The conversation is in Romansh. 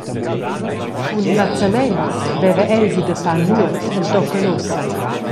Cun mazzaments veva el giu da far nuot entochen ussa.